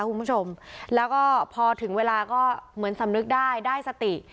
คุณผู้ชมแล้วก็พอถึงเวลาก็เหมือนสำนึกได้ได้สติ